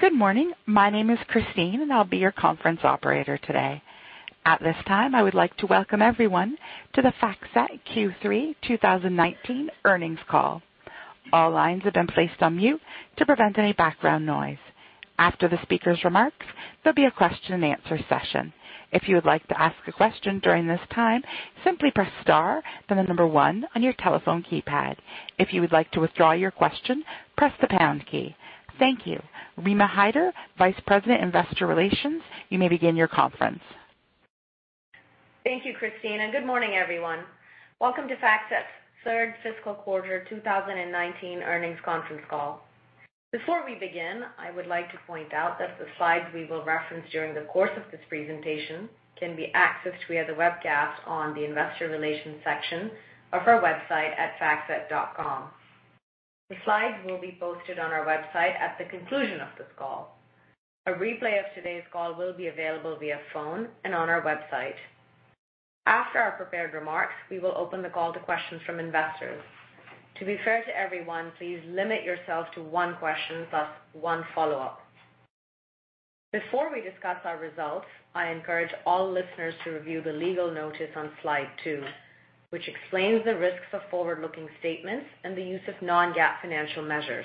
Good morning. My name is Christine, and I'll be your conference operator today. At this time, I would like to welcome everyone to the FactSet Q3 2019 earnings call. All lines have been placed on mute to prevent any background noise. After the speaker's remarks, there'll be a question and answer session. If you would like to ask a question during this time, simply press star then the number one on your telephone keypad. If you would like to withdraw your question, press the pound key. Thank you. Rima Hyder, Vice President, Investor Relations, you may begin your conference. Thank you, Christine, and good morning, everyone. Welcome to FactSet's third fiscal quarter 2019 earnings conference call. Before we begin, I would like to point out that the slides we will reference during the course of this presentation can be accessed via the webcast on the investor relations section of our website at factset.com. The slides will be posted on our website at the conclusion of this call. A replay of today's call will be available via phone and on our website. After our prepared remarks, we will open the call to questions from investors. To be fair to everyone, please limit yourself to one question plus one follow-up. Before we discuss our results, I encourage all listeners to review the legal notice on slide two, which explains the risks of forward-looking statements and the use of non-GAAP financial measures.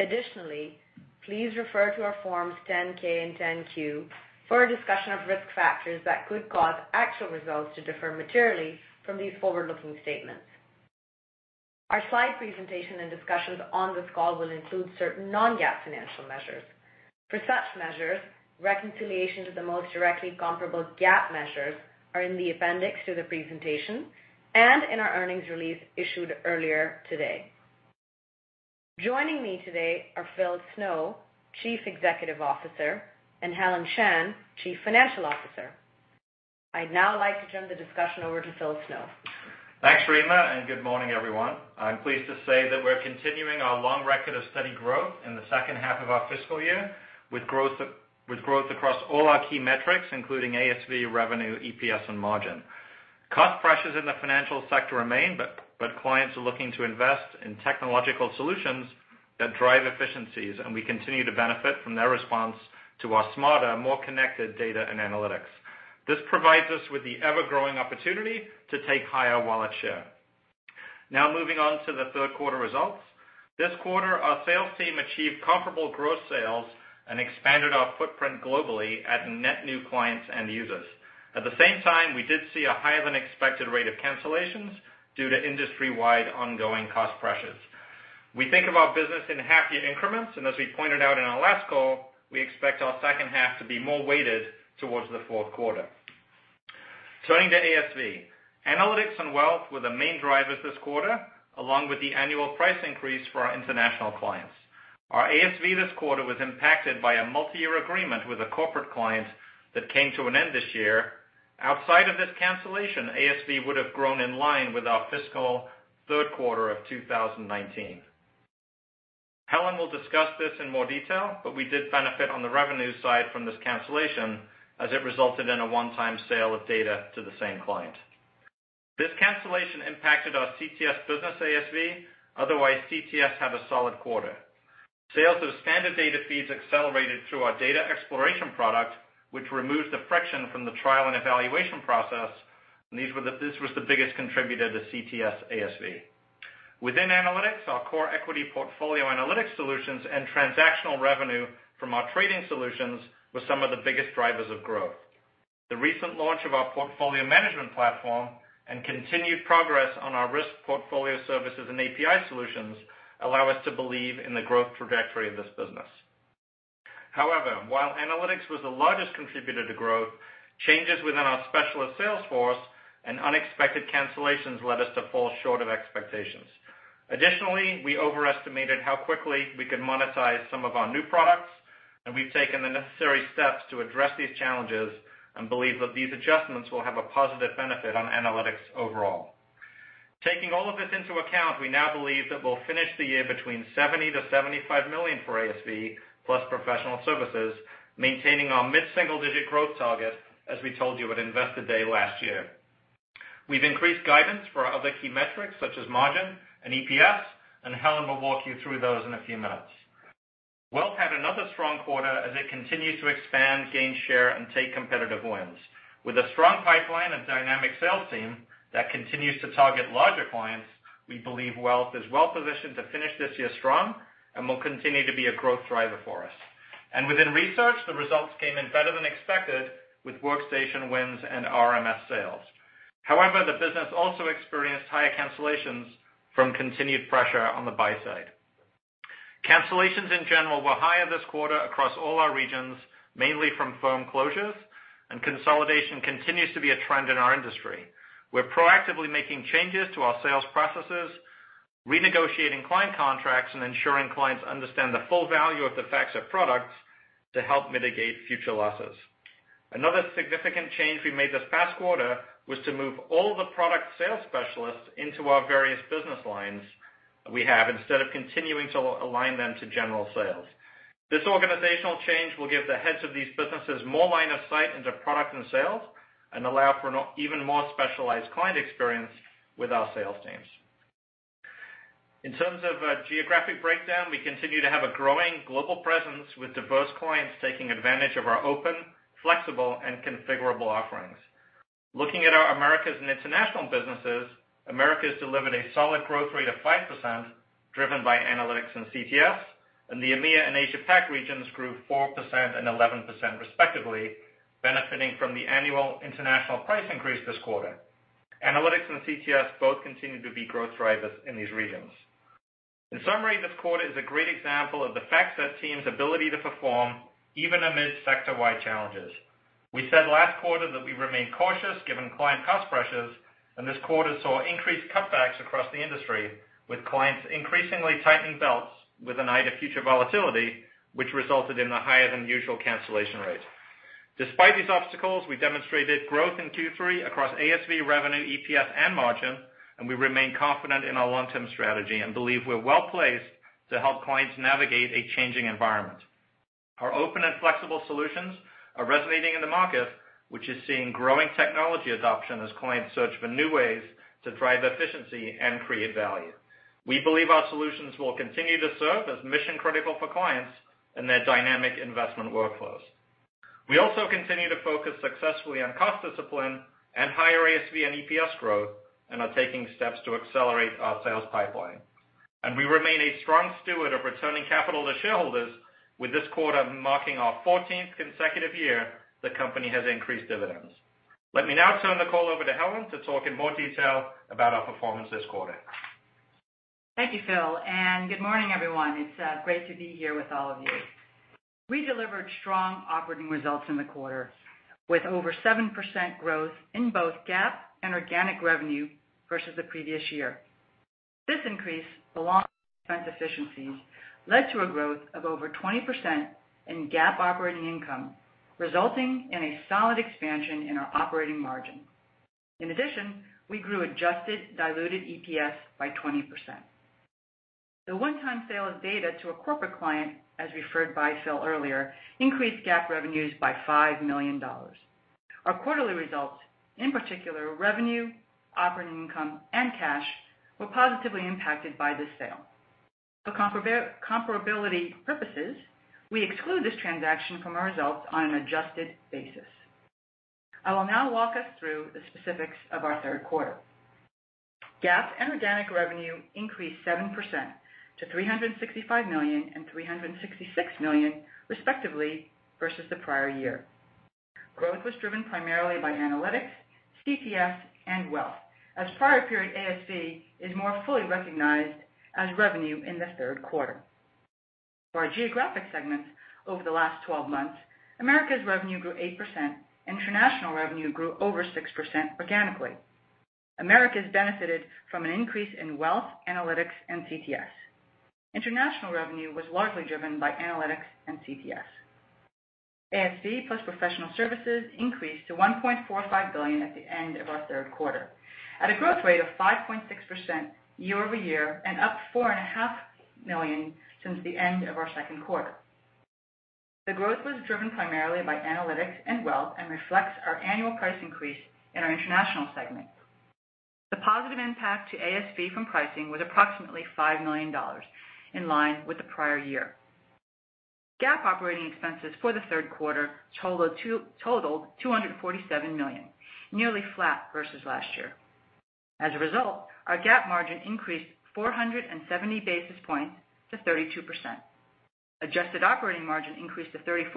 Additionally, please refer to our Forms 10-K and 10-Q for a discussion of risk factors that could cause actual results to differ materially from these forward-looking statements. Our slide presentation and discussions on this call will include certain non-GAAP financial measures. For such measures, reconciliation to the most directly comparable GAAP measures are in the appendix to the presentation and in our earnings release issued earlier today. Joining me today are Phil Snow, Chief Executive Officer, and Helen Shan, Chief Financial Officer. I'd now like to turn the discussion over to Phil Snow. Thanks, Rima, and good morning, everyone. I'm pleased to say that we're continuing our long record of steady growth in the second half of our fiscal year with growth across all our key metrics, including ASV, revenue, EPS, and margin. Cost pressures in the financial sector remain, but clients are looking to invest in technological solutions that drive efficiencies, and we continue to benefit from their response to our smarter, more connected data and analytics. This provides us with the ever-growing opportunity to take higher wallet share. Now moving on to the third quarter results. This quarter, our sales team achieved comparable gross sales and expanded our footprint globally at net new clients and users. At the same time, we did see a higher-than-expected rate of cancellations due to industry-wide ongoing cost pressures. We think of our business in half-year increments. As we pointed out in our last call, we expect our second half to be more weighted towards the fourth quarter. Turning to ASV, Analytics and Wealth were the main drivers this quarter, along with the annual price increase for our international clients. Our ASV this quarter was impacted by a multi-year agreement with a corporate client that came to an end this year. Outside of this cancellation, ASV would have grown in line with our fiscal third quarter of 2019. Helen will discuss this in more detail, but we did benefit on the revenue side from this cancellation as it resulted in a one-time sale of data to the same client. This cancellation impacted our CTS business ASV. CTS had a solid quarter. Sales of standard data feeds accelerated through our data exploration product, which removes the friction from the trial and evaluation process. This was the biggest contributor to CTS ASV. Within Analytics, our core equity portfolio analytics solutions and transactional revenue from our trading solutions were some of the biggest drivers of growth. The recent launch of our Portfolio Management Platform and continued progress on our risk portfolio services and API solutions allow us to believe in the growth trajectory of this business. While Analytics was the largest contributor to growth, changes within our specialist sales force and unexpected cancellations led us to fall short of expectations. We overestimated how quickly we could monetize some of our new products, and we've taken the necessary steps to address these challenges and believe that these adjustments will have a positive benefit on Analytics overall. Taking all of this into account, we now believe that we'll finish the year between $70 million-$75 million for ASV, plus professional services, maintaining our mid-single-digit growth target as we told you at Investor Day last year. We've increased guidance for our other key metrics such as margin and EPS. Helen will walk you through those in a few minutes. Wealth had another strong quarter as it continues to expand, gain share, and take competitive wins. With a strong pipeline and dynamic sales team that continues to target larger clients, we believe Wealth is well-positioned to finish this year strong and will continue to be a growth driver for us. Within Research, the results came in better than expected with Workstation wins and RMS sales. The business also experienced higher cancellations from continued pressure on the buy side. Cancellations in general were higher this quarter across all our regions, mainly from firm closures and consolidation continues to be a trend in our industry. We're proactively making changes to our sales processes, renegotiating client contracts, and ensuring clients understand the full value of the FactSet products to help mitigate future losses. Another significant change we made this past quarter was to move all the product sales specialists into our various business lines we have instead of continuing to align them to general sales. This organizational change will give the heads of these businesses more line of sight into product and sales and allow for an even more specialized client experience with our sales teams. In terms of geographic breakdown, we continue to have a growing global presence with diverse clients taking advantage of our open, flexible, and configurable offerings. Looking at our Americas and International businesses, Americas delivered a solid growth rate of 5%, driven by analytics and CTS. The EMEIA and Asia-Pac regions grew 4% and 11% respectively, benefiting from the annual International price increase this quarter. Analytics and CTS both continue to be growth drivers in these regions. In summary, this quarter is a great example of the FactSet team's ability to perform even amid sector-wide challenges. We said last quarter that we remain cautious given client cost pressures, and this quarter saw increased cutbacks across the industry, with clients increasingly tightening belts with an eye to future volatility, which resulted in a higher-than-usual cancellation rate. Despite these obstacles, we demonstrated growth in Q3 across ASV revenue, EPS, and margin, and we remain confident in our long-term strategy and believe we're well-placed to help clients navigate a changing environment. Our open and flexible solutions are resonating in the market, which is seeing growing technology adoption as clients search for new ways to drive efficiency and create value. We believe our solutions will continue to serve as mission-critical for clients and their dynamic investment workflows. We also continue to focus successfully on cost discipline and higher ASV and EPS growth and are taking steps to accelerate our sales pipeline. We remain a strong steward of returning capital to shareholders, with this quarter marking our 14th consecutive year the company has increased dividends. Let me now turn the call over to Helen to talk in more detail about our performance this quarter. Thank you, Phil, and good morning, everyone. It's great to be here with all of you. We delivered strong operating results in the quarter, with over 7% growth in both GAAP and organic revenue versus the previous year. This increase, along with expense efficiencies, led to a growth of over 20% in GAAP operating income, resulting in a solid expansion in our operating margin. In addition, we grew adjusted diluted EPS by 20%. The one-time sale of data to a corporate client, as referred by Phil earlier, increased GAAP revenues by $5 million. Our quarterly results, in particular, revenue, operating income, and cash, were positively impacted by this sale. For comparability purposes, we exclude this transaction from our results on an adjusted basis. I will now walk us through the specifics of our third quarter. GAAP and organic revenue increased 7% to $365 million and $366 million, respectively, versus the prior year. Growth was driven primarily by analytics, CTS, and wealth, as prior period ASV is more fully recognized as revenue in the third quarter. For our geographic segments over the last 12 months, Americas revenue grew 8%, International revenue grew over 6% organically. Americas benefited from an increase in wealth, analytics, and CTS. International revenue was largely driven by analytics and CTS. ASV plus professional services increased to $1.45 billion at the end of our third quarter at a growth rate of 5.6% year-over-year and up $4.5 million since the end of our second quarter. The growth was driven primarily by analytics and wealth and reflects our annual price increase in our International segment. The positive impact to ASV from pricing was approximately $5 million, in line with the prior year. GAAP operating expenses for the third quarter totaled $247 million, nearly flat versus last year. As a result, our GAAP margin increased 470 basis points to 32%. Adjusted operating margin increased to 34%,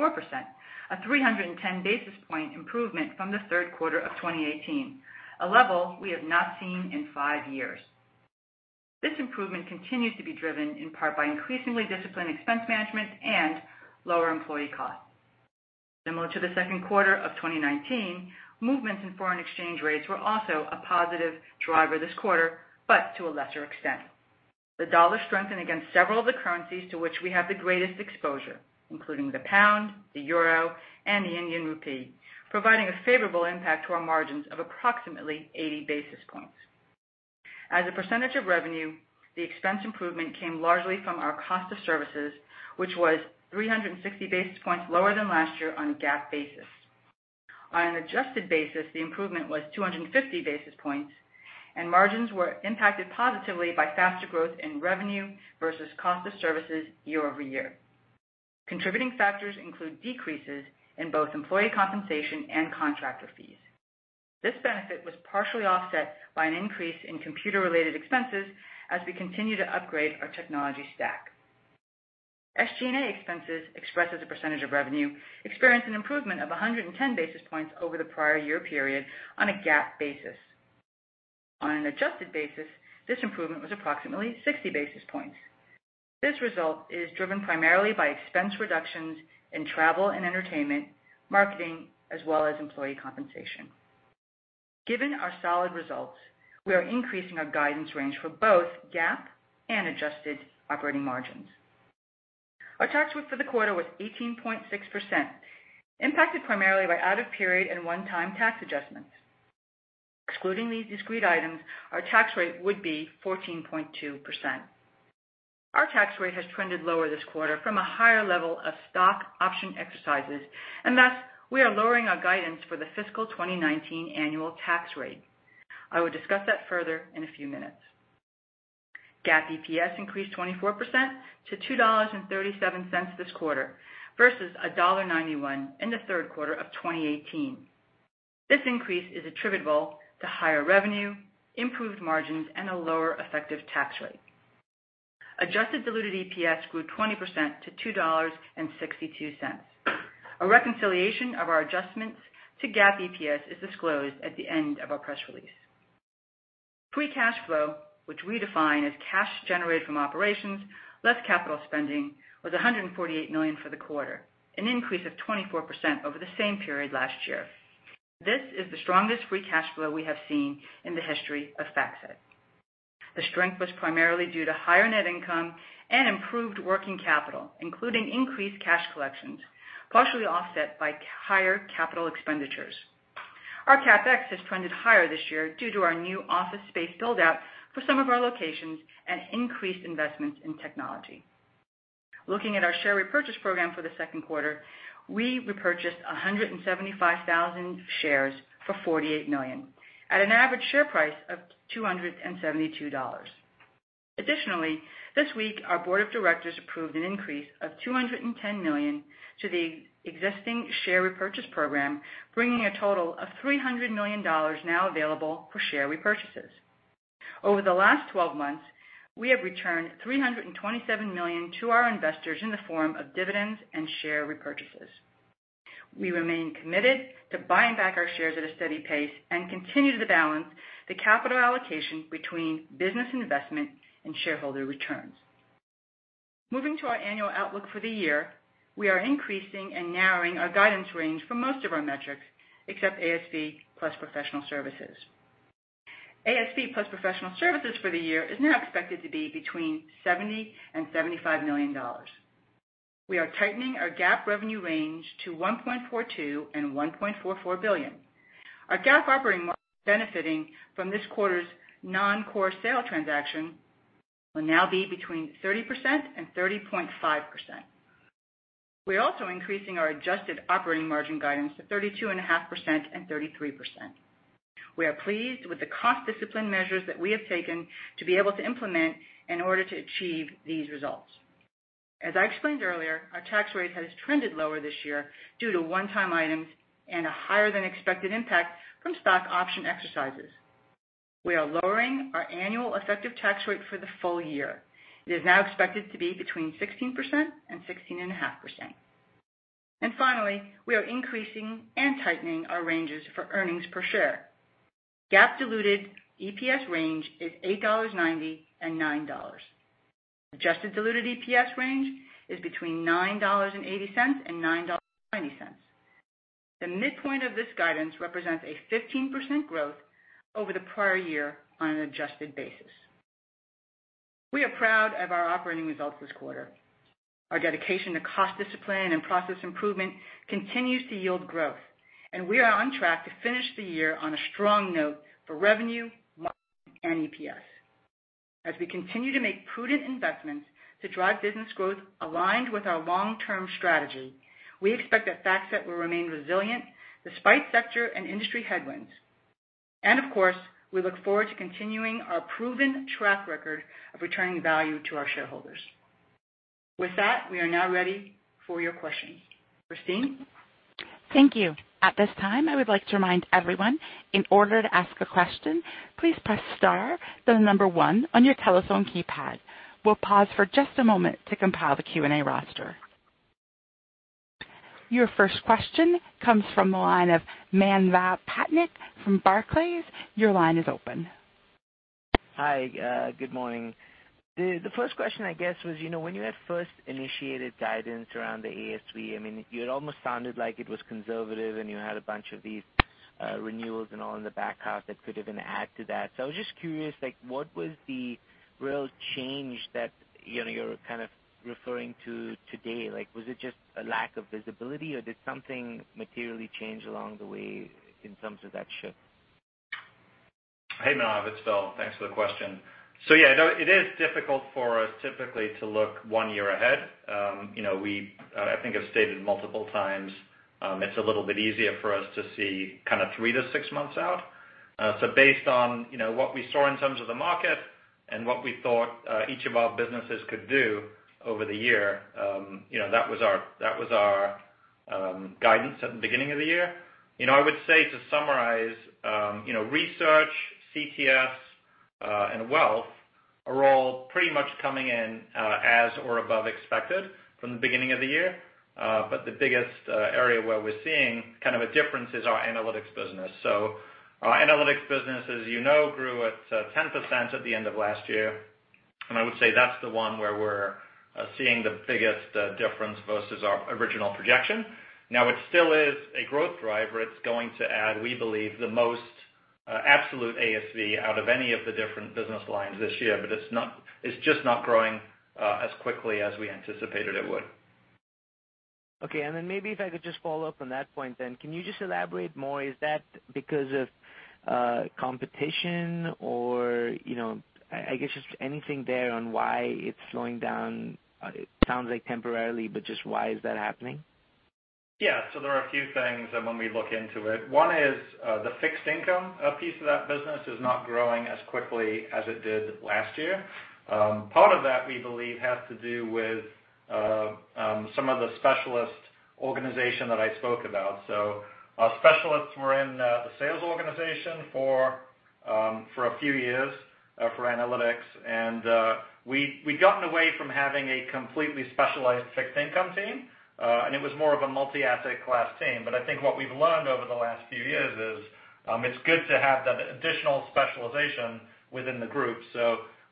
a 310 basis point improvement from the third quarter of 2018, a level we have not seen in five years. This improvement continues to be driven in part by increasingly disciplined expense management and lower employee costs. Similar to the second quarter of 2019, movements in foreign exchange rates were also a positive driver this quarter, but to a lesser extent. The dollar strengthened against several of the currencies to which we have the greatest exposure, including the pound, the euro, and the Indian rupee, providing a favorable impact to our margins of approximately 80 basis points. As a percentage of revenue, the expense improvement came largely from our cost of services, which was 360 basis points lower than last year on a GAAP basis. On an adjusted basis, the improvement was 250 basis points, and margins were impacted positively by faster growth in revenue versus cost of services year-over-year. Contributing factors include decreases in both employee compensation and contractor fees. This benefit was partially offset by an increase in computer-related expenses as we continue to upgrade our technology stack. SG&A expenses, expressed as a percentage of revenue, experienced an improvement of 110 basis points over the prior year period on a GAAP basis. On an adjusted basis, this improvement was approximately 60 basis points. This result is driven primarily by expense reductions in travel and entertainment, marketing, as well as employee compensation. Given our solid results, we are increasing our guidance range for both GAAP and adjusted operating margins. Our tax rate for the quarter was 18.6%, impacted primarily by out-of-period and one-time tax adjustments. Excluding these discrete items, our tax rate would be 14.2%. Our tax rate has trended lower this quarter from a higher level of stock option exercises, and thus we are lowering our guidance for the fiscal 2019 annual tax rate. I will discuss that further in a few minutes. GAAP EPS increased 24% to $2.37 this quarter versus $1.91 in the third quarter of 2018. This increase is attributable to higher revenue, improved margins, and a lower effective tax rate. Adjusted diluted EPS grew 20% to $2.62. A reconciliation of our adjustments to GAAP EPS is disclosed at the end of our press release. Free cash flow, which we define as cash generated from operations, less capital spending, was $148 million for the quarter, an increase of 24% over the same period last year. This is the strongest free cash flow we have seen in the history of FactSet. The strength was primarily due to higher net income and improved working capital, including increased cash collections, partially offset by higher capital expenditures. Our CapEx has trended higher this year due to our new office space build-out for some of our locations and increased investments in technology. Looking at our share repurchase program for the second quarter, we repurchased 175,000 shares for $48 million at an average share price of $272. Additionally, this week our board of directors approved an increase of $210 million to the existing share repurchase program, bringing a total of $300 million now available for share repurchases. Over the last 12 months, we have returned $327 million to our investors in the form of dividends and share repurchases. We remain committed to buying back our shares at a steady pace and continue to balance the capital allocation between business investment and shareholder returns. Moving to our annual outlook for the year, we are increasing and narrowing our guidance range for most of our metrics, except ASV plus professional services. ASV plus professional services for the year is now expected to be between $70 million and $75 million. We are tightening our GAAP revenue range to $1.42 billion and $1.44 billion. Our GAAP operating margin, benefiting from this quarter's non-core sale transaction, will now be between 30% and 30.5%. We're also increasing our adjusted operating margin guidance to 32.5% and 33%. We are pleased with the cost discipline measures that we have taken to be able to implement in order to achieve these results. As I explained earlier, our tax rate has trended lower this year due to one-time items and a higher than expected impact from stock option exercises. We are lowering our annual effective tax rate for the full year. It is now expected to be between 16% and 16.5%. Finally, we are increasing and tightening our ranges for earnings per share. GAAP diluted EPS range is $8.90 and $9. Adjusted diluted EPS range is between $9.80 and $9.90. The midpoint of this guidance represents a 15% growth over the prior year on an adjusted basis. We are proud of our operating results this quarter. Our dedication to cost discipline and process improvement continues to yield growth, and we are on track to finish the year on a strong note for revenue, margin, and EPS. As we continue to make prudent investments to drive business growth aligned with our long-term strategy, we expect that FactSet will remain resilient despite sector and industry headwinds. Of course, we look forward to continuing our proven track record of returning value to our shareholders. With that, we are now ready for your questions. Christine? Thank you. At this time, I would like to remind everyone, in order to ask a question, please press star then the number 1 on your telephone keypad. We'll pause for just a moment to compile the Q&A roster. Your first question comes from the line of Manav Patnaik from Barclays. Your line is open. Hi. Good morning. The first question, I guess, was when you had first initiated guidance around the ASV, you had almost sounded like it was conservative, and you had a bunch of these renewals and all in the back half that could even add to that. I was just curious, what was the real change that you're kind of referring to today? Was it just a lack of visibility, or did something materially change along the way in terms of that shift? Hey, Manav. It's Phil. Thanks for the question. Yeah, it is difficult for us typically to look one year ahead. I think I've stated multiple times, it's a little bit easier for us to see kind of three to six months out. Based on what we saw in terms of the market and what we thought each of our businesses could do over the year, that was our guidance at the beginning of the year. I would say to summarize Research, CTS, and Wealth are all pretty much coming in as or above expected from the beginning of the year. The biggest area where we're seeing kind of a difference is our analytics business. Our analytics business, as you know, grew at 10% at the end of last year. I would say that's the one where we're seeing the biggest difference versus our original projection. It still is a growth driver. It's going to add, we believe, the most absolute ASV out of any of the different business lines this year. It's just not growing as quickly as we anticipated it would. Okay. Maybe if I could just follow up on that point then, can you just elaborate more? Is that because of competition or, I guess just anything there on why it's slowing down, it sounds like temporarily, but just why is that happening? There are a few things when we look into it. One is the fixed income piece of that business is not growing as quickly as it did last year. Part of that, we believe, has to do with some of the specialist organization that I spoke about. Our specialists were in the sales organization for a few years for analytics. We'd gotten away from having a completely specialized fixed income team. It was more of a multi-asset class team. I think what we've learned over the last few years is, it's good to have that additional specialization within the group.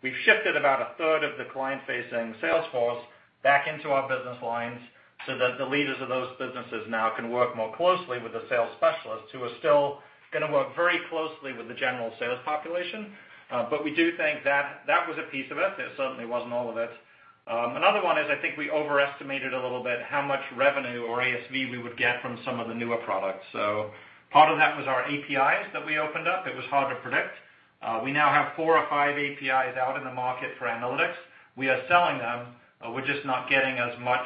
We've shifted about a third of the client-facing sales force back into our business lines so that the leaders of those businesses now can work more closely with the sales specialists, who are still going to work very closely with the general sales population. We do think that was a piece of it. It certainly wasn't all of it. Another one is, I think we overestimated a little bit how much revenue or ASV we would get from some of the newer products. Part of that was our APIs that we opened up. It was hard to predict. We now have four or five APIs out in the market for analytics. We are selling them, we're just not getting as much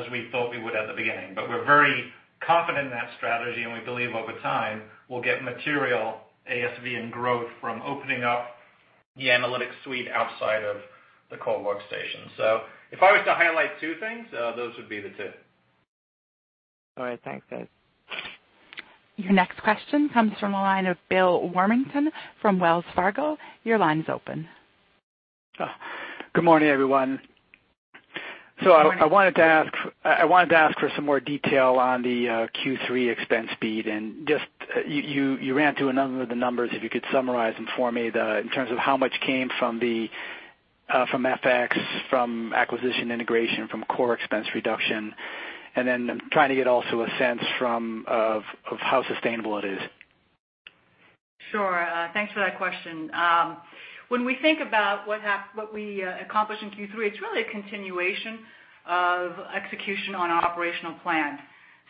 as we thought we would at the beginning. We're very confident in that strategy, and we believe over time, we'll get material ASV and growth from opening up the analytics suite outside of the FactSet Workstation. If I was to highlight two things, those would be the two. All right. Thanks, guys. Your next question comes from the line of Bill Warmington from Wells Fargo. Your line is open. Good morning, everyone. Good morning. I wanted to ask for some more detail on the Q3 expense speed, and just you ran through a number of the numbers, if you could summarize them for me, in terms of how much came from FX, from acquisition integration, from core expense reduction, and then I'm trying to get also a sense of how sustainable it is. Sure. Thanks for that question. When we think about what we accomplished in Q3, it's really a continuation of execution on our operational plan.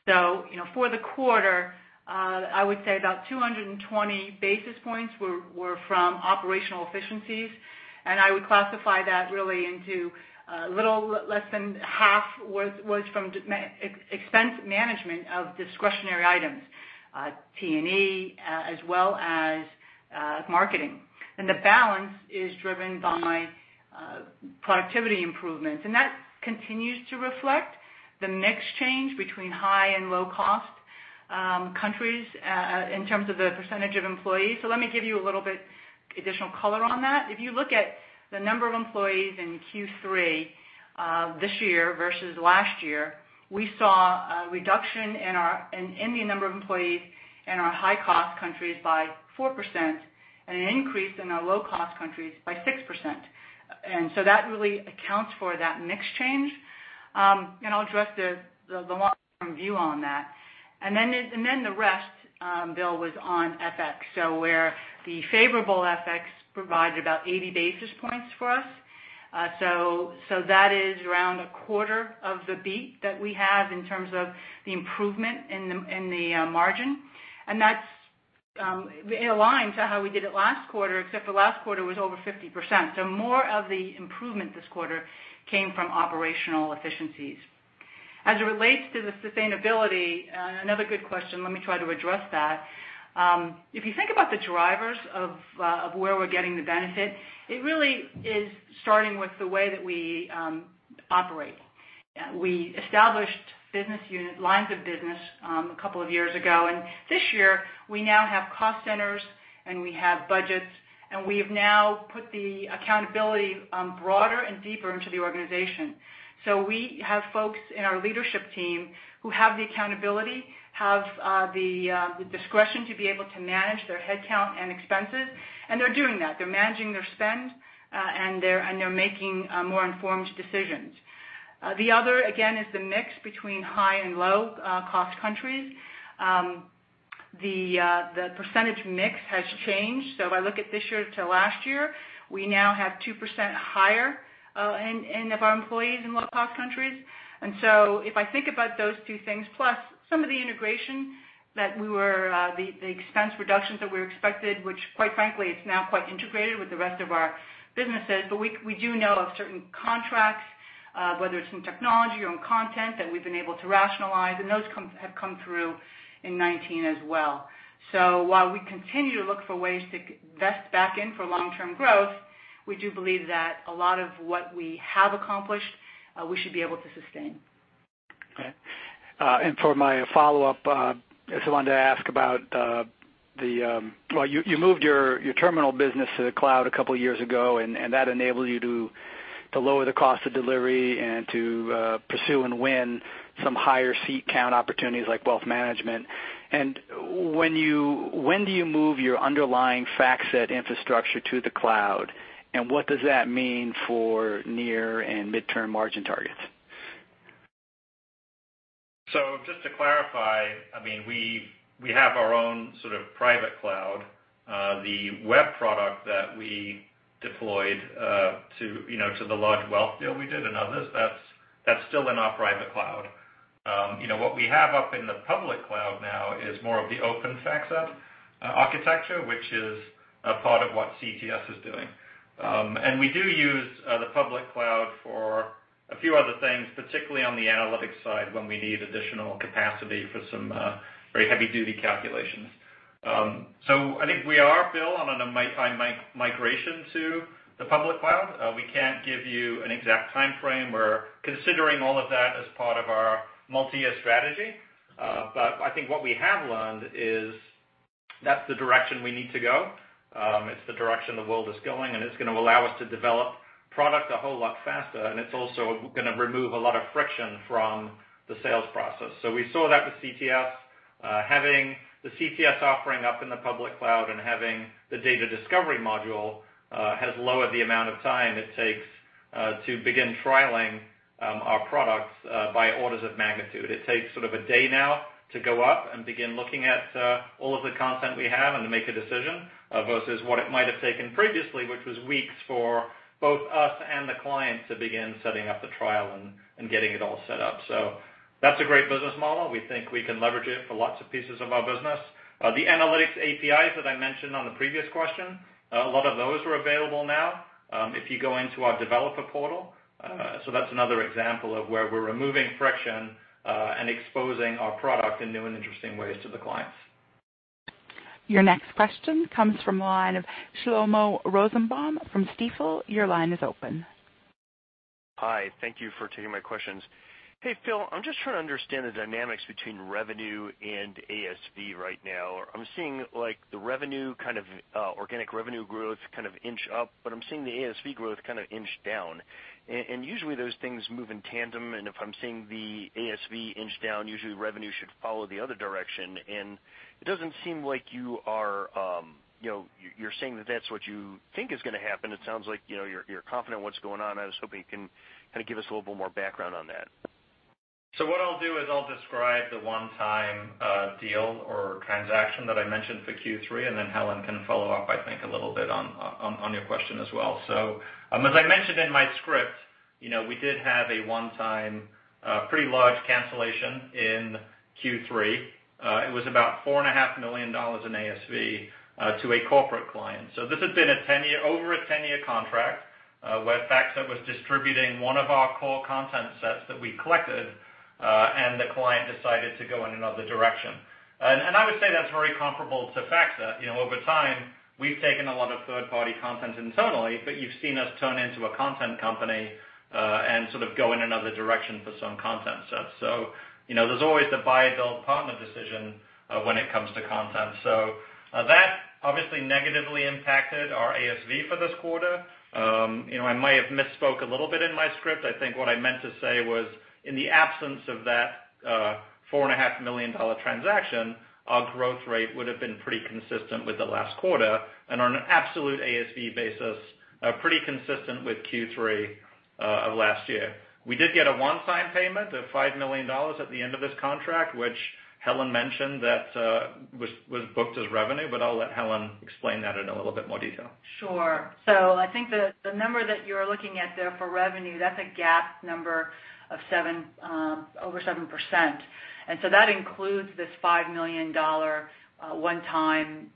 For the quarter, I would say about 220 basis points were from operational efficiencies. I would classify that really into a little less than half was from expense management of discretionary items, T&E as well as marketing. The balance is driven by productivity improvements. That continues to reflect the mix change between high and low-cost countries in terms of the percentage of employees. Let me give you a little bit additional color on that. If you look at the number of employees in Q3 this year versus last year, we saw a reduction in the number of employees in our high-cost countries by 4% and an increase in our low-cost countries by 6%. That really accounts for that mix change. I'll address the long-term view on that. The rest, Bill, was on FX. Where the favorable FX provided about 80 basis points for us. That is around a quarter of the beat that we have in terms of the improvement in the margin. That aligns to how we did it last quarter, except for last quarter was over 50%. More of the improvement this quarter came from operational efficiencies. As it relates to the sustainability, another good question, let me try to address that. If you think about the drivers of where we're getting the benefit, it really is starting with the way that we operate. We established lines of business a couple of years ago, this year, we now have cost centers, we have budgets, we have now put the accountability broader and deeper into the organization. We have folks in our leadership team who have the accountability, have the discretion to be able to manage their headcount and expenses, they're doing that. They're managing their spend, they're making more informed decisions. The other, again, is the mix between high and low-cost countries. The percentage mix has changed. If I look at this year to last year, we now have 2% higher of our employees in low-cost countries. If I think about those two things, plus some of the integration that the expense reductions that we expected, which quite frankly, it's now quite integrated with the rest of our businesses. We do know of certain contracts, whether it's in technology or in content that we've been able to rationalize, those have come through in 2019 as well. While we continue to look for ways to invest back in for long-term growth, we do believe that a lot of what we have accomplished we should be able to sustain. For my follow-up, I just wanted to ask about the. You moved your terminal business to the cloud a couple of years ago, and that enabled you to lower the cost of delivery and to pursue and win some higher seat count opportunities like wealth management. When do you move your underlying FactSet infrastructure to the cloud? What does that mean for near and midterm margin targets? Just to clarify, we have our own sort of private cloud. The web product that we deployed to the large wealth deal we did and others. That's still in our private cloud. What we have up in the public cloud now is more of the open FactSet architecture, which is a part of what CTS is doing. We do use the public cloud for a few other things, particularly on the analytics side, when we need additional capacity for some very heavy-duty calculations. I think we are, Bill, on a migration to the public cloud. We can't give you an exact timeframe. We're considering all of that as part of our multi-year strategy. I think what we have learned is that's the direction we need to go. It's the direction the world is going, and it's going to allow us to develop product a whole lot faster, and it's also going to remove a lot of friction from the sales process. We saw that with CTS. Having the CTS offering up in the public cloud and having the data discovery module has lowered the amount of time it takes to begin trialing our products by orders of magnitude. It takes sort of a day now to go up and begin looking at all of the content we have and to make a decision, versus what it might have taken previously, which was weeks for both us and the client to begin setting up the trial and getting it all set up. That's a great business model. We think we can leverage it for lots of pieces of our business. The analytics APIs that I mentioned on the previous question, a lot of those are available now if you go into our Developer Portal. That's another example of where we're removing friction and exposing our product in new and interesting ways to the clients. Your next question comes from the line of Shlomo Rosenbaum from Stifel. Your line is open. Hi. Thank you for taking my questions. Hey, Phil, I'm just trying to understand the dynamics between revenue and ASV right now. I'm seeing the revenue, kind of organic revenue growth kind of inch up, but I'm seeing the ASV growth kind of inch down. Usually those things move in tandem, and if I'm seeing the ASV inch down, usually revenue should follow the other direction. It doesn't seem like you're saying that that's what you think is going to happen. It sounds like you're confident what's going on. I was hoping you can kind of give us a little bit more background on that. What I'll do is I'll describe the one-time deal or transaction that I mentioned for Q3, and then Helen can follow up, I think, a little bit on your question as well. As I mentioned in my script, we did have a one-time, pretty large cancellation in Q3. It was about $4.5 million in ASV to a corporate client. This had been over a 10-year contract, where FactSet was distributing one of our core content sets that we collected, and the client decided to go in another direction. I would say that's very comparable to FactSet. Over time, we've taken a lot of third-party content internally, but you've seen us turn into a content company and sort of go in another direction for some content stuff. There's always the buy/build partner decision when it comes to content. That obviously negatively impacted our ASV for this quarter. I might have misspoke a little bit in my script. I think what I meant to say was, in the absence of that $4.5 million transaction, our growth rate would have been pretty consistent with the last quarter, and on an absolute ASV basis, pretty consistent with Q3 of last year. We did get a one-time payment of $5 million at the end of this contract, which Helen mentioned that was booked as revenue, but I'll let Helen explain that in a little bit more detail. I think the number that you're looking at there for revenue, that's a GAAP number of over 7%. That includes this $5 million one-time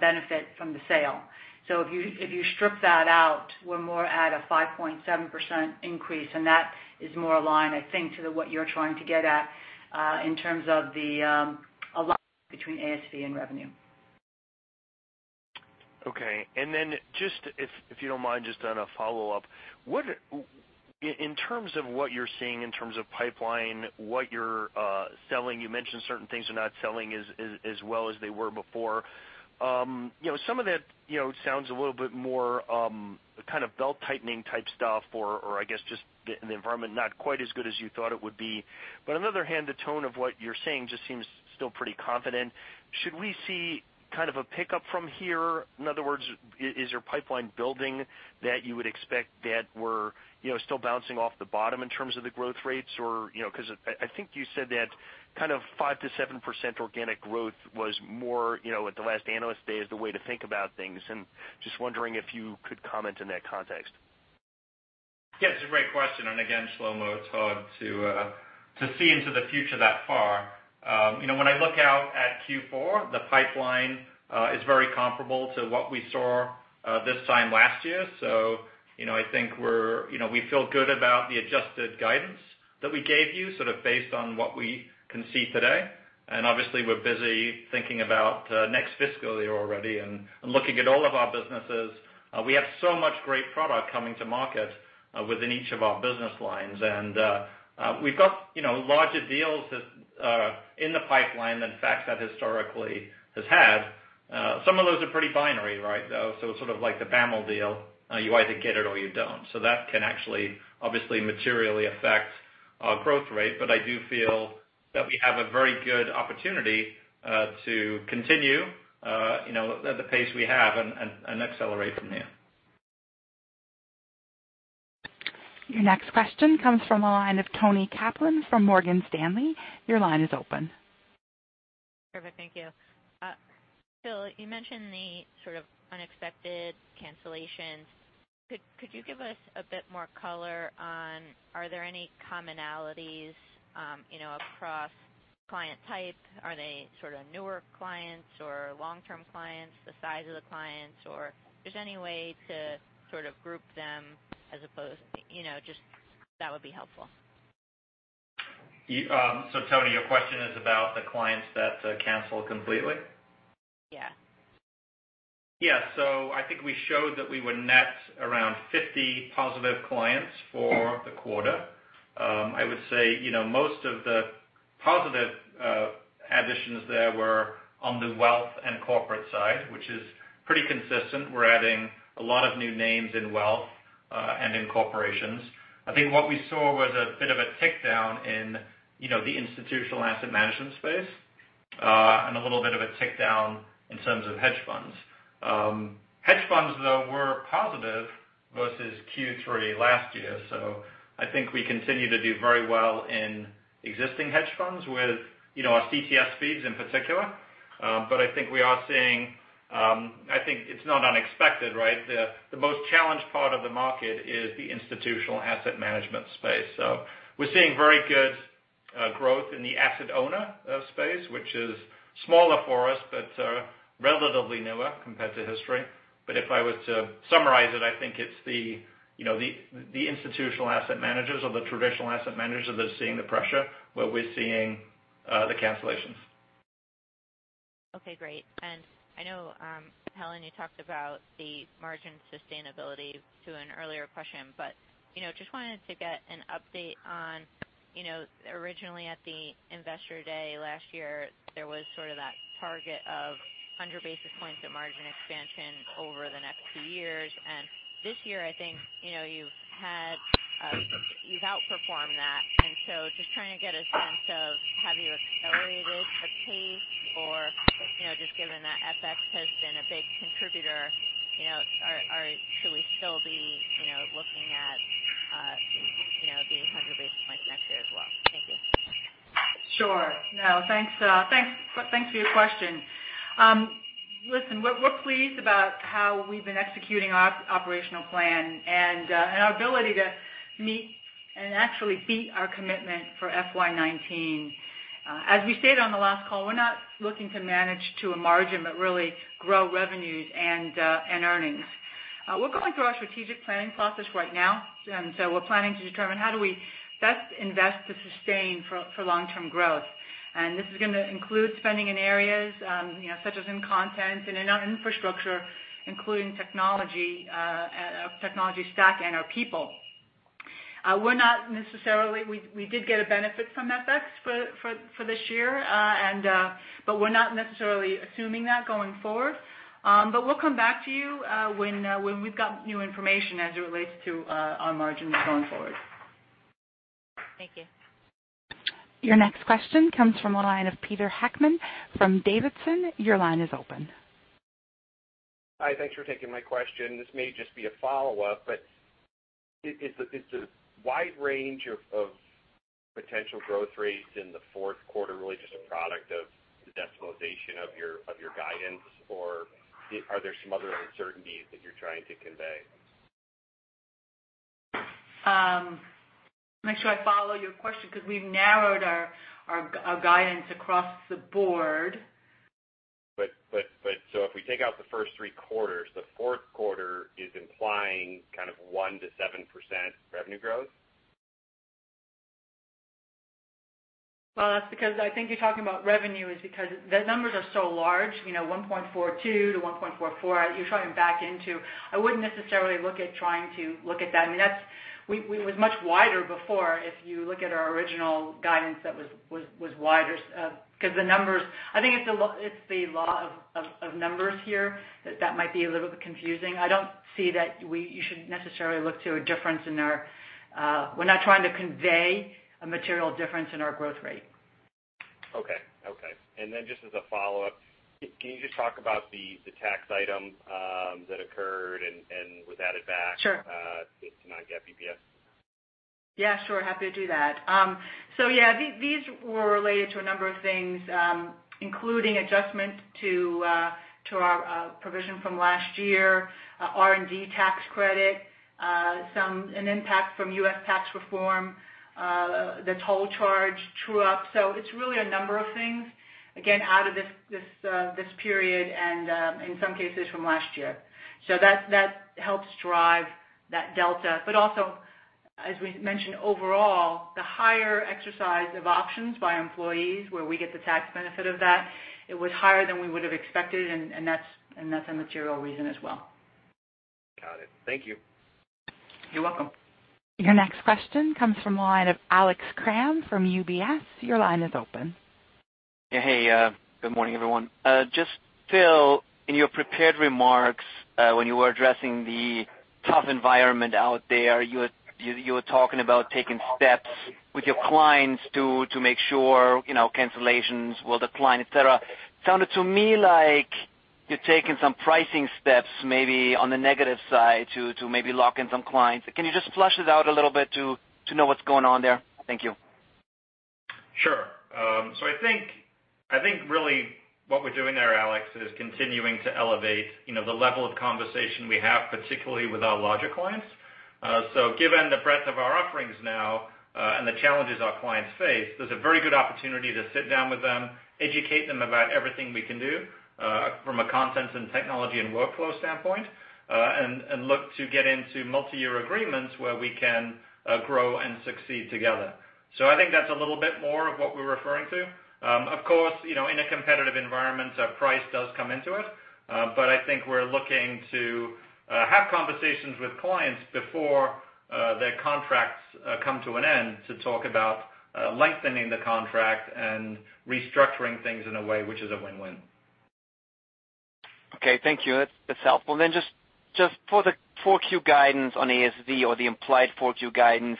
benefit from the sale. If you strip that out, we're more at a 5.7% increase, and that is more aligned, I think, to what you're trying to get at in terms of the alignment between ASV and revenue. Okay. If you don't mind, just on a follow-up. In terms of what you're seeing in terms of pipeline, what you're selling, you mentioned certain things are not selling as well as they were before. Some of that sounds a little bit more kind of belt-tightening type stuff or I guess just the environment not quite as good as you thought it would be. On the other hand, the tone of what you're saying just seems still pretty confident. Should we see kind of a pickup from here? In other words, is your pipeline building that you would expect that we're still bouncing off the bottom in terms of the growth rates or Because I think you said that kind of 5%-7% organic growth was more at the last Analyst Day as the way to think about things, just wondering if you could comment in that context. Yeah, it's a great question. Again, Shlomo, it's hard to see into the future that far. When I look out at Q4, the pipeline is very comparable to what we saw this time last year. I think we feel good about the adjusted guidance that we gave you, sort of based on what we can see today. Obviously, we're busy thinking about next fiscal year already and looking at all of our businesses. We have so much great product coming to market within each of our business lines. We've got larger deals in the pipeline than FactSet historically has had. Some of those are pretty binary, right, though? Sort of like the BAML deal. You either get it or you don't. That can actually obviously materially affect our growth rate. I do feel that we have a very good opportunity to continue at the pace we have and accelerate from here. Your next question comes from the line of Toni Kaplan from Morgan Stanley. Your line is open. Perfect. Thank you. Phil, you mentioned the sort of unexpected cancellations. Could you give us a bit more color on, are there any commonalities across client type? Are they sort of newer clients or long-term clients, the size of the clients, or if there's any way to sort of group them as opposed to just. That would be helpful. Toni, your question is about the clients that cancel completely? Yeah. I think we showed that we were net around 50 positive clients for the quarter. I would say, most of the positive additions there were on the wealth and corporate side, which is pretty consistent. We're adding a lot of new names in wealth, and in corporations. I think what we saw was a bit of a tick down in the institutional asset management space, and a little bit of a tick down in terms of hedge funds. Hedge funds, though, were positive versus Q3 last year. I think we continue to do very well in existing hedge funds with our CTS feeds in particular. I think it's not unexpected, right? The most challenged part of the market is the institutional asset management space. We're seeing very good growth in the asset owner space, which is smaller for us, but relatively newer compared to history. If I was to summarize it, I think it's the institutional asset managers or the traditional asset managers that are seeing the pressure, where we're seeing the cancellations. Okay, great. I know, Helen, you talked about the margin sustainability to an earlier question, but just wanted to get an update on, originally at the investor day last year, there was sort of that target of 100 basis points of margin expansion over the next two years. This year, I think you've outperformed that. Just trying to get a sense of, have you accelerated the pace or, just given that FX has been a big contributor, should we still be looking at the 100 basis points next year as well? Thank you. Sure. No, thanks for your question. Listen, we're pleased about how we've been executing our operational plan and our ability to meet and actually beat our commitment for FY 2019. As we stated on the last call, we're not looking to manage to a margin, but really grow revenues and earnings. We're going through our strategic planning process right now, we're planning to determine how do we best invest to sustain for long-term growth. This is going to include spending in areas such as in content and in our infrastructure, including technology, our technology stack, and our people. We did get a benefit from FX for this year, but we're not necessarily assuming that going forward. We'll come back to you when we've got new information as it relates to our margins going forward. Thank you. Your next question comes from the line of Peter Heckmann from Davidson. Your line is open. Hi. Thanks for taking my question. This may just be a follow-up. Is the wide range of potential growth rates in the fourth quarter really just a product of the decimalization of your guidance, or are there some other uncertainties that you're trying to convey? Make sure I follow your question. We've narrowed our guidance across the board. If we take out the first three quarters, the fourth quarter is implying kind of 1%-7% revenue growth? That's because I think you're talking about revenue is because the numbers are so large, $1.42-$1.44. You're trying to back into I wouldn't necessarily look at trying to look at that. I mean, it was much wider before. If you look at our original guidance, that was wider. I think it's the law of numbers here that might be a little bit confusing. I don't see that you should necessarily look to a difference in our. We're not trying to convey a material difference in our growth rate. Okay. Just as a follow-up, can you just talk about the tax item that occurred and was added back. Sure just to not get BPS? Yeah, sure. Happy to do that. Yeah, these were related to a number of things, including adjustment to our provision from last year, R&D tax credit, an impact from US tax reform, the toll charge true-up. It's really a number of things, again, out of this period and, in some cases, from last year. That helps drive that delta. Also, as we mentioned overall, the higher exercise of options by employees where we get the tax benefit of that, it was higher than we would have expected, and that's a material reason as well. Got it. Thank you. You're welcome. Your next question comes from the line of Alex Kramm from UBS. Your line is open. Yeah. Hey, good morning, everyone. Just, Phil, in your prepared remarks, when you were addressing the tough environment out there, you were talking about taking steps with your clients to make sure cancellations will decline, et cetera. It sounded to me like you're taking some pricing steps, maybe on the negative side, to maybe lock in some clients. Can you just flesh it out a little bit to know what's going on there? Thank you. Sure. I think, really what we're doing there, Alex, is continuing to elevate the level of conversation we have, particularly with our larger clients. Given the breadth of our offerings now, and the challenges our clients face, there's a very good opportunity to sit down with them, educate them about everything we can do, from a content and technology and workflow standpoint, and look to get into multi-year agreements where we can grow and succeed together. I think that's a little bit more of what we're referring to. Of course, in a competitive environment, price does come into it. I think we're looking to have conversations with clients before their contracts come to an end to talk about lengthening the contract and restructuring things in a way which is a win-win. Okay. Thank you. That's helpful. Just for the 4Q guidance on ASV or the implied 4Q guidance,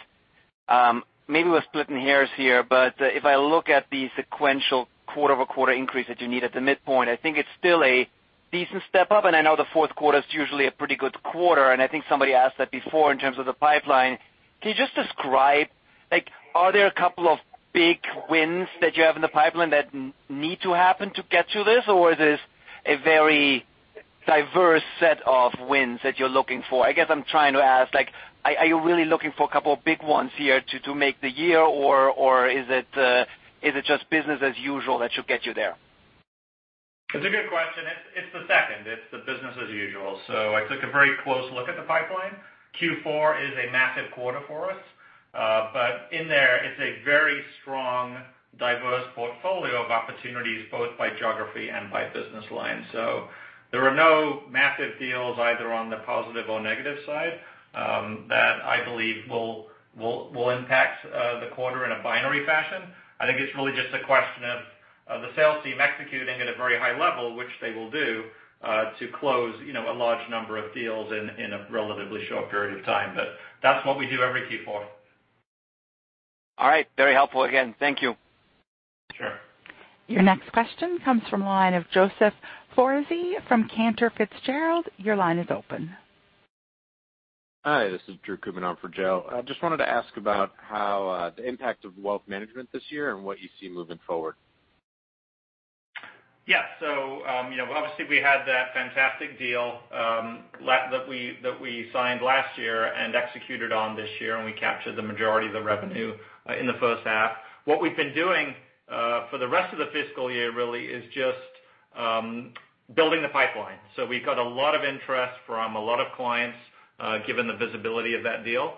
maybe we're splitting hairs here, but if I look at the sequential quarter-over-quarter increase that you need at the midpoint, I think it's still a decent step up, and I know the fourth quarter's usually a pretty good quarter, and I think somebody asked that before in terms of the pipeline. Can you just describe, are there a couple of big wins that you have in the pipeline that need to happen to get to this, or is this a very diverse set of wins that you're looking for? I guess I'm trying to ask, are you really looking for a couple of big ones here to make the year, or is it just business as usual that should get you there? It's a good question. It's the second. It's the business as usual. I took a very close look at the pipeline. Q4 is a massive quarter for us. In there, it's a very strong, diverse portfolio of opportunities, both by geography and by business line. There are no massive deals either on the positive or negative side, that I believe will impact the quarter in a binary fashion. I think it's really just a question of the sales team executing at a very high level, which they will do, to close a large number of deals in a relatively short period of time. That's what we do every Q4. All right. Very helpful again. Thank you. Sure. Your next question comes from the line of Joseph Foresi from Cantor Fitzgerald. Your line is open. Hi, this is Drew Kubena for Joe. I just wanted to ask about how the impact of wealth management this year and what you see moving forward. Yeah. Obviously, we had that fantastic deal that we signed last year and executed on this year, we captured the majority of the revenue in the first half. What we've been doing, for the rest of the fiscal year really is just building the pipeline. We got a lot of interest from a lot of clients, given the visibility of that deal.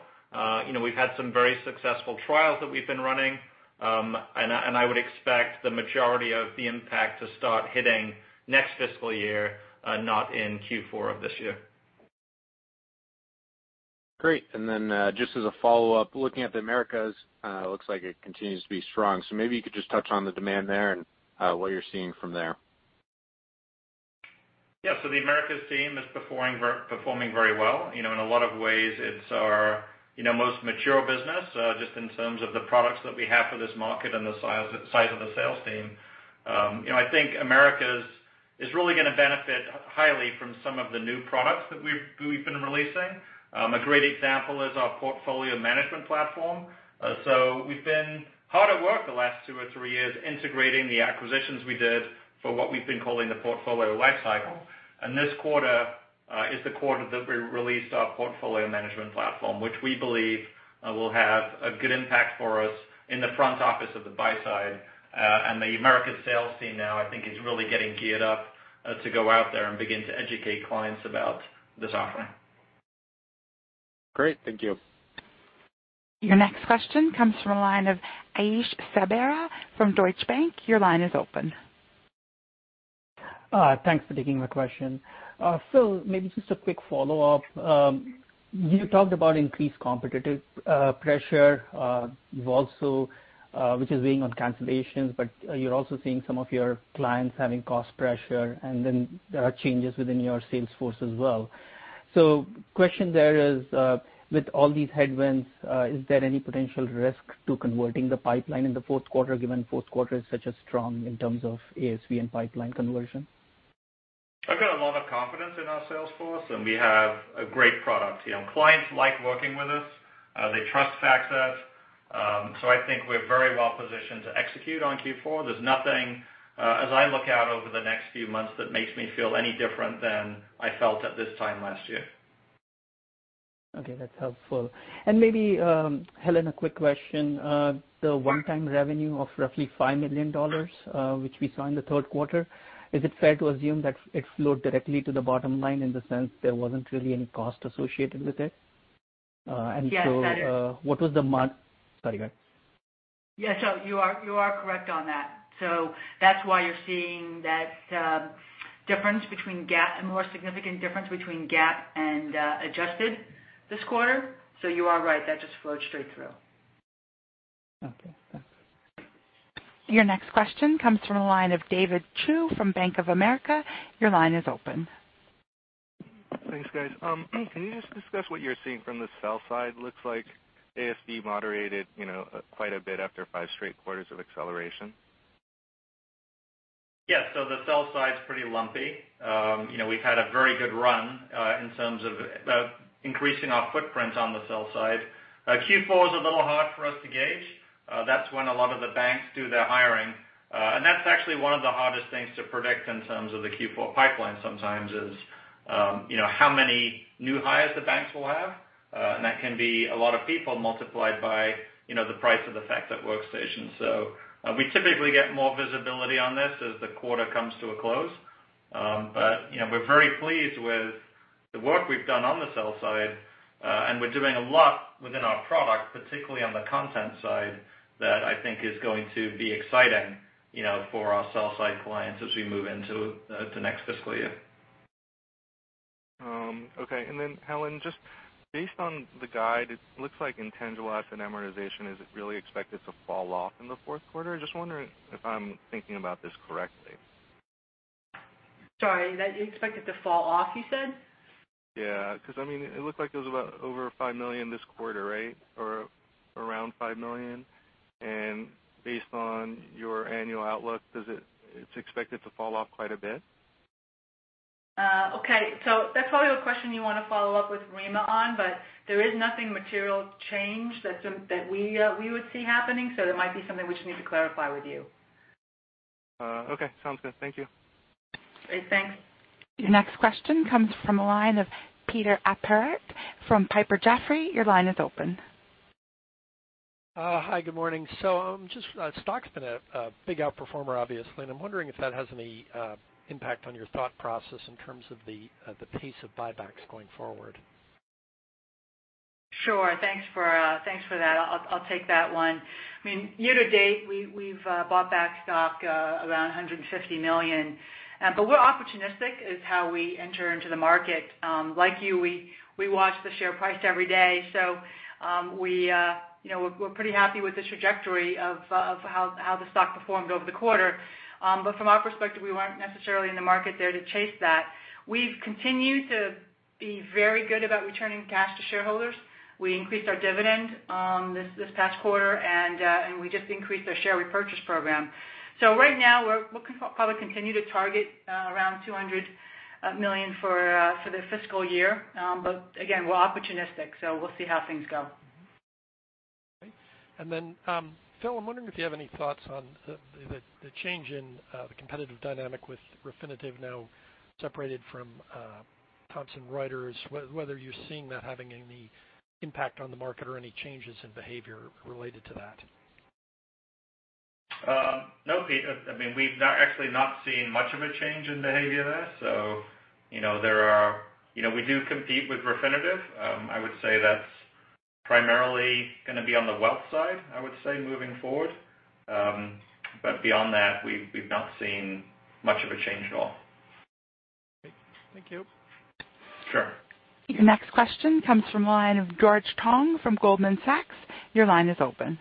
We've had some very successful trials that we've been running. I would expect the majority of the impact to start hitting next fiscal year, not in Q4 of this year. Great. Just as a follow-up, looking at the Americas, it looks like it continues to be strong. Maybe you could just touch on the demand there and what you're seeing from there. Yeah. The Americas team is performing very well. In a lot of ways, it's our most mature business, just in terms of the products that we have for this market and the size of the sales team. I think Americas is really going to benefit highly from some of the new products that we've been releasing. A great example is our Portfolio Management Platform. We've been hard at work the last two or three years integrating the acquisitions we did for what we've been calling the portfolio life cycle. This quarter is the quarter that we released our Portfolio Management Platform, which we believe will have a good impact for us in the front office of the buy side. The Americas sales team now, I think, is really getting geared up to go out there and begin to educate clients about this offering. Great. Thank you. Your next question comes from a line of Ashish Sabadra from Deutsche Bank. Your line is open. Thanks for taking my question. Phil, maybe just a quick follow-up. You talked about increased competitive pressure, which is weighing on cancellations, but you're also seeing some of your clients having cost pressure, and then there are changes within your sales force as well. Question there is, with all these headwinds, is there any potential risk to converting the pipeline in the fourth quarter, given fourth quarter is such as strong in terms of ASV and pipeline conversion? I've got a lot of confidence in our sales force, and we have a great product here, and clients like working with us. They trust FactSet. I think we're very well positioned to execute on Q4. There's nothing, as I look out over the next few months, that makes me feel any different than I felt at this time last year. Okay, that's helpful. Maybe, Helen, a quick question. The one-time revenue of roughly $5 million, which we saw in the third quarter, is it fair to assume that it flowed directly to the bottom line in the sense there wasn't really any cost associated with it? Yes, that is What was the month? Sorry about that. Yeah. You are correct on that. That's why you're seeing that difference between GAAP and more significant difference between GAAP and adjusted this quarter. You are right, that just flowed straight through. Okay, thanks. Your next question comes from the line of David Chu from Bank of America. Your line is open. Thanks, guys. Can you just discuss what you're seeing from the sell side looks like? ASV moderated quite a bit after five straight quarters of acceleration. Yeah. The sell side's pretty lumpy. We've had a very good run, in terms of increasing our footprint on the sell side. Q4 is a little hard for us to gauge. That's when a lot of the banks do their hiring. That's actually one of the hardest things to predict in terms of the Q4 pipeline sometimes is, how many new hires the banks will have, and that can be a lot of people multiplied by the price of the FactSet Workstation. We typically get more visibility on this as the quarter comes to a close. We're very pleased with the work we've done on the sell side, and we're doing a lot within our product, particularly on the content side, that I think is going to be exciting for our sell side clients as we move into the next fiscal year. Okay. Helen, just based on the guide, it looks like intangible asset amortization is really expected to fall off in the fourth quarter? Just wondering if I'm thinking about this correctly. Sorry, expected to fall off, you said? Yeah, because it looked like it was about over $5 million this quarter, right? Or around $5 million. Based on your annual outlook, it's expected to fall off quite a bit. Okay. That's probably a question you want to follow up with Rima on, there is nothing material changed that we would see happening, that might be something we just need to clarify with you. Okay, sounds good. Thank you. Okay, thanks. Your next question comes from the line of Peter Appert from Piper Jaffray. Your line is open. Hi, good morning. The stock's been a big outperformer, obviously, I'm wondering if that has any impact on your thought process in terms of the pace of buybacks going forward. Sure. Thanks for that. I'll take that one. Year to date, we've bought back stock around $150 million. We're opportunistic is how we enter into the market. Like you, we watch the share price every day, we're pretty happy with the trajectory of how the stock performed over the quarter. From our perspective, we weren't necessarily in the market there to chase that. We've continued to be very good about returning cash to shareholders. We increased our dividend this past quarter, we just increased our share repurchase program. Right now, we'll probably continue to target around $200 million for the fiscal year. Again, we're opportunistic, we'll see how things go. Okay. Then, Phil, I'm wondering if you have any thoughts on the change in the competitive dynamic with Refinitiv now separated from Thomson Reuters, whether you're seeing that having any impact on the market or any changes in behavior related to that. No, Pete, we've actually not seen much of a change in behavior there. We do compete with Refinitiv. I would say that's primarily going to be on the wealth side, I would say, moving forward. Beyond that, we've not seen much of a change at all. Okay. Thank you. Sure. Your next question comes from the line of George Tong from Goldman Sachs. Your line is open.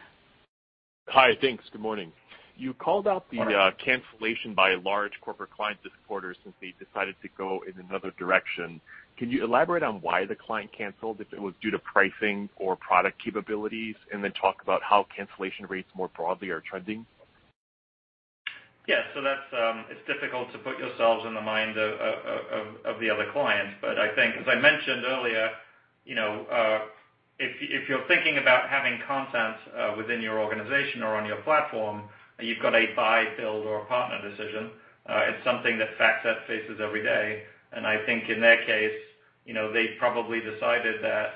Hi, thanks. Good morning. You called out. Hi cancellation by a large corporate client this quarter since they decided to go in another direction. Can you elaborate on why the client canceled, if it was due to pricing or product capabilities, and then talk about how cancellation rates more broadly are trending? Yeah. It's difficult to put yourselves in the mind of the other client. I think, as I mentioned earlier, if you're thinking about having content within your organization or on your platform, you've got a buy, build, or partner decision. It's something that FactSet faces every day. I think in their case, they probably decided that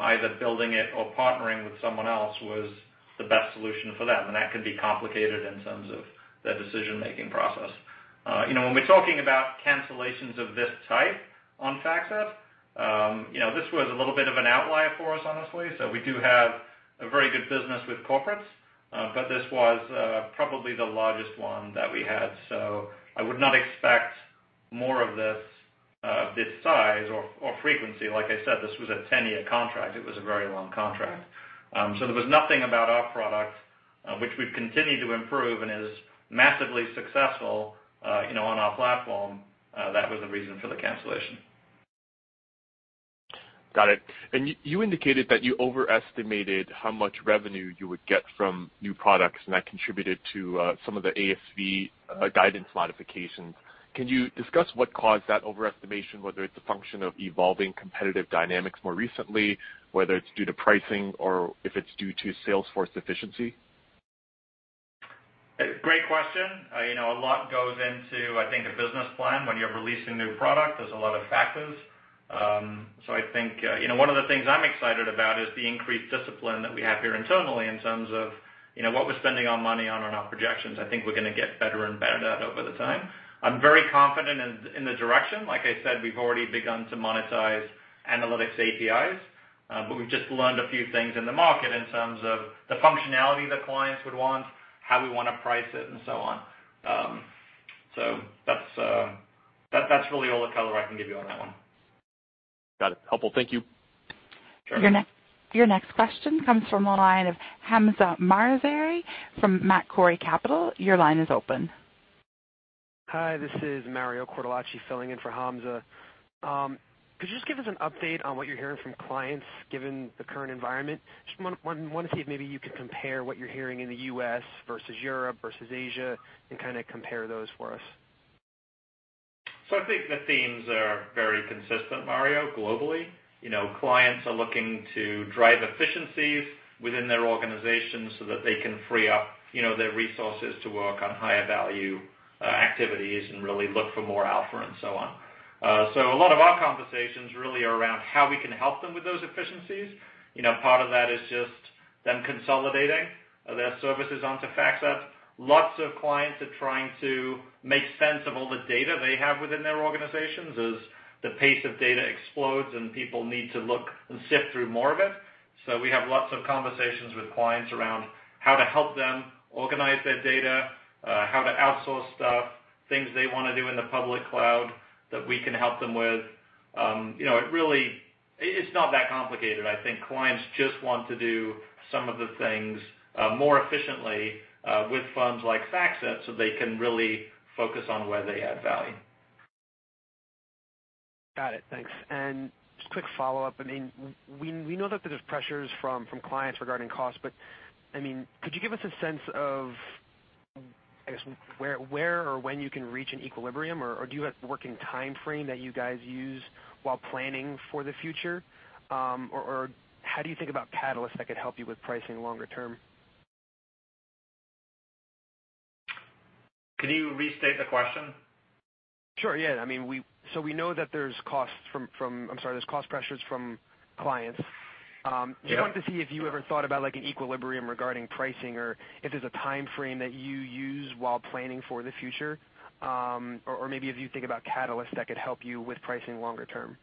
either building it or partnering with someone else was the best solution for them. That can be complicated in terms of the decision-making process. When we're talking about cancellations of this type on FactSet, this was a little bit of an outlier for us, honestly. We do have a very good business with corporates. This was probably the largest one that we had. I would not expect more of this size or frequency. Like I said, this was a 10-year contract. It was a very long contract. There was nothing about our product, which we've continued to improve and is massively successful on our platform, that was the reason for the cancellation. Got it. You indicated that you overestimated how much revenue you would get from new products, and that contributed to some of the ASV guidance modifications. Can you discuss what caused that overestimation, whether it's a function of evolving competitive dynamics more recently, whether it's due to pricing or if it's due to sales force efficiency? Great question. A lot goes into, I think, the business plan when you're releasing new product. There's a lot of factors. I think one of the things I'm excited about is the increased discipline that we have here internally in terms of what we're spending our money on our projections. I think we're going to get better and better at it over the time. I'm very confident in the direction. Like I said, we've already begun to monetize analytics APIs. But we've just learned a few things in the market in terms of the functionality that clients would want, how we want to price it, and so on. So that's really all the color I can give you on that one. Got it. Helpful. Thank you. Your next question comes from the line of Hamzah Mazari from Macquarie Capital. Your line is open. Hi, this is Mario Cortellacci filling in for Hamzah. Could you just give us an update on what you're hearing from clients, given the current environment? Just want to see if maybe you could compare what you're hearing in the U.S. versus Europe versus Asia, and kind of compare those for us. I think the themes are very consistent, Mario, globally. Clients are looking to drive efficiencies within their organizations so that they can free up their resources to work on higher value activities and really look for more alpha and so on. A lot of our conversations really are around how we can help them with those efficiencies. Part of that is just them consolidating their services onto FactSet. Lots of clients are trying to make sense of all the data they have within their organizations as the pace of data explodes and people need to look and sift through more of it. We have lots of conversations with clients around how to help them organize their data, how to outsource stuff, things they want to do in the public cloud that we can help them with. It's not that complicated. I think clients just want to do some of the things more efficiently, with firms like FactSet, so they can really focus on where they add value. Got it. Thanks. Just quick follow-up, we know that there's pressures from clients regarding costs, but could you give us a sense of where or when you can reach an equilibrium? Do you have a working timeframe that you guys use while planning for the future? How do you think about catalysts that could help you with pricing longer term? Can you restate the question? Sure. Yeah. We know that there's cost pressures from clients. Yeah. Just want to see if you ever thought about an equilibrium regarding pricing, or if there's a timeframe that you use while planning for the future, or maybe if you think about catalysts that could help you with pricing longer term.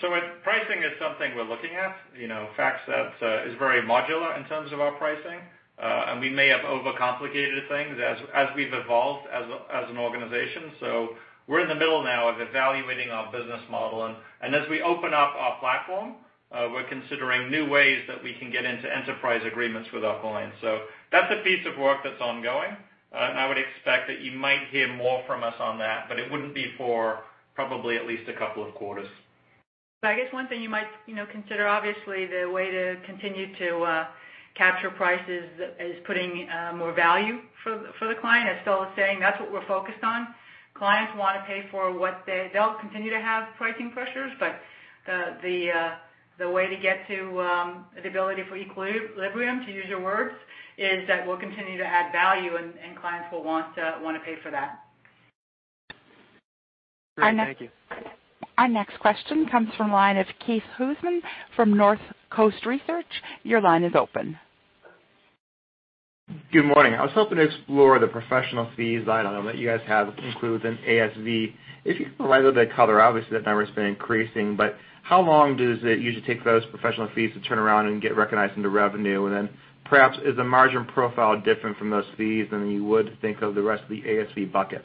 Pricing is something we're looking at. FactSet is very modular in terms of our pricing. We may have overcomplicated things as we've evolved as an organization. We're in the middle now of evaluating our business model. As we open up our platform, we're considering new ways that we can get into enterprise agreements with our clients. That's a piece of work that's ongoing. I would expect that you might hear more from us on that, but it wouldn't be for probably at least a couple of quarters. I guess one thing you might consider, obviously, the way to continue to capture prices is putting more value for the client. As Phil was saying, that's what we're focused on. Clients want to pay for They'll continue to have pricing pressures, but the way to get to the ability for equilibrium, to use your words, is that we'll continue to add value and clients will want to pay for that. Great. Thank you. Our next question comes from line of Keith Housum from North Coast Research. Your line is open. Good morning. I was hoping to explore the professional fees line item that you guys have included in ASV. If you could provide a bit of color, obviously that number's been increasing, but how long does it usually take those professional fees to turn around and get recognized into revenue? Then perhaps is the margin profile different from those fees than you would think of the rest of the ASV bucket?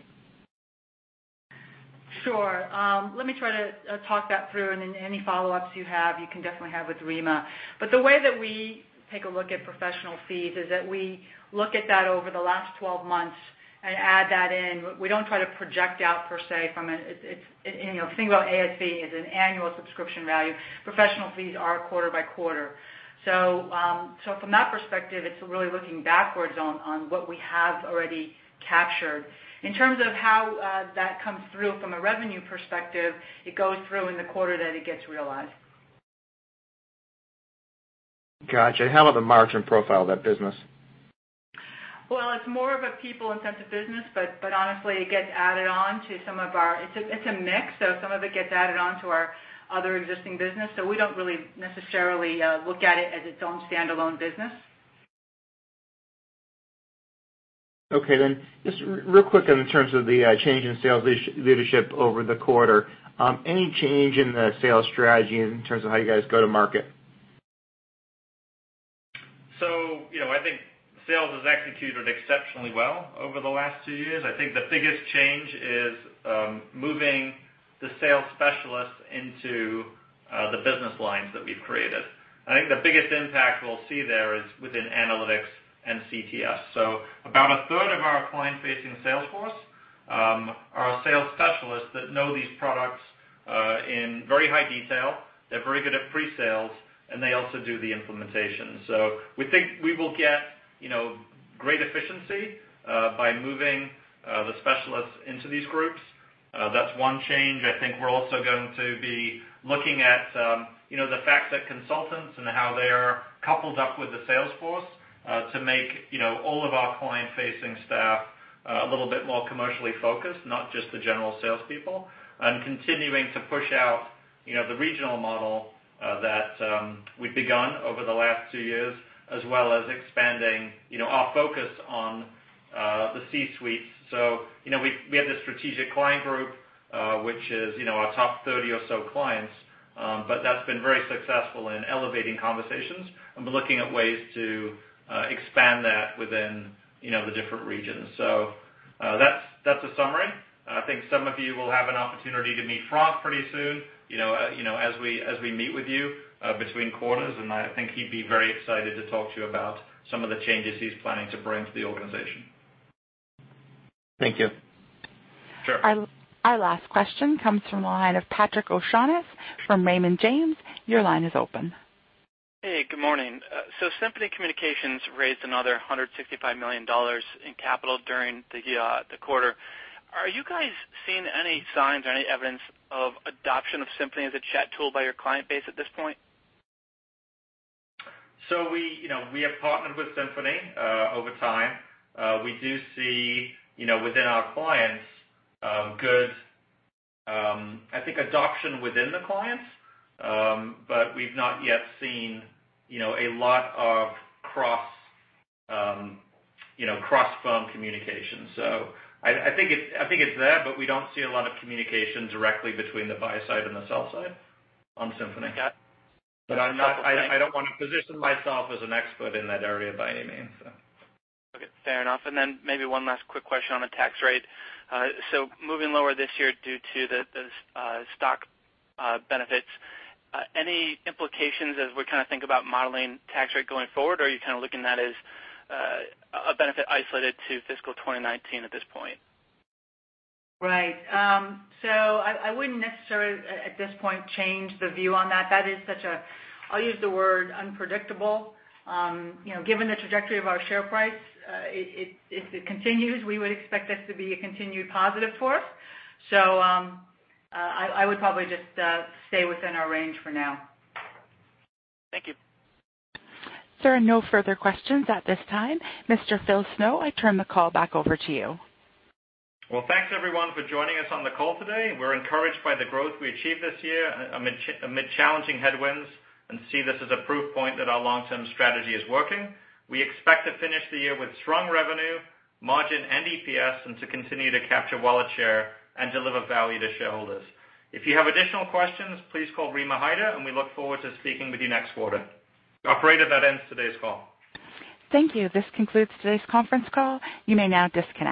Sure. Let me try to talk that through and then any follow-ups you have, you can definitely have with Rima. The way that we take a look at professional fees is that we look at that over the last 12 months and add that in. We don't try to project out per se. If you think about ASV as an annual subscription value, professional fees are quarter by quarter. From that perspective, it's really looking backwards on what we have already captured. In terms of how that comes through from a revenue perspective, it goes through in the quarter that it gets realized. Got you. How about the margin profile of that business? Well, it's more of a people-intensive business, but honestly, it gets added on to some of our. It's a mix, so some of it gets added on to our other existing business. We don't really necessarily look at it as its own standalone business. Okay, just real quick in terms of the change in sales leadership over the quarter, any change in the sales strategy in terms of how you guys go to market? I think sales has executed exceptionally well over the last two years. I think the biggest change is moving the sales specialists into the business lines that we've created. I think the biggest impact we'll see there is within analytics and CTS. About a third of our client-facing sales force are our sales specialists that know these products in very high detail. They're very good at pre-sales, and they also do the implementation. We think we will get great efficiency by moving the specialists into these groups. That's one change. I think we're also going to be looking at the FactSet consultants and how they are coupled up with the sales force to make all of our client-facing staff a little bit more commercially focused, not just the general salespeople. Continuing to push out the regional model that we've begun over the last two years, as well as expanding our focus on the C-suites. We have this strategic client group, which is our top 30 or so clients, but that's been very successful in elevating conversations, and we're looking at ways to expand that within the different regions. That's the summary. I think some of you will have an opportunity to meet Franck pretty soon as we meet with you between quarters. I think he'd be very excited to talk to you about some of the changes he's planning to bring to the organization. Thank you. Sure. Our last question comes from the line of Patrick O'Shaughnessy from Raymond James. Your line is open. Hey, good morning. Symphony Communications raised another $165 million in capital during the quarter. Are you guys seeing any signs or any evidence of adoption of Symphony as a chat tool by your client base at this point? We have partnered with Symphony, over time. We do see within our clients, good, I think adoption within the clients. We've not yet seen a lot of cross-firm communication. I think it's there, but we don't see a lot of communication directly between the buy side and the sell side on Symphony. Got it. I don't want to position myself as an expert in that area by any means. Okay. Fair enough. Then maybe one last quick question on the tax rate. Moving lower this year due to the stock benefits. Any implications as we kind of think about modeling tax rate going forward, or are you kind of looking at that as a benefit isolated to fiscal 2019 at this point? Right. I wouldn't necessarily, at this point, change the view on that. That is such a, I'll use the word unpredictable. Given the trajectory of our share price, if it continues, we would expect this to be a continued positive for us. I would probably just stay within our range for now. Thank you. There are no further questions at this time. Mr. Phil Snow, I turn the call back over to you. Thanks everyone for joining us on the call today. We're encouraged by the growth we achieved this year amid challenging headwinds, and see this as a proof point that our long-term strategy is working. We expect to finish the year with strong revenue, margin, and EPS, and to continue to capture wallet share and deliver value to shareholders. If you have additional questions, please call Rima Hyder, and we look forward to speaking with you next quarter. Operator, that ends today's call. Thank you. This concludes today's conference call. You may now disconnect.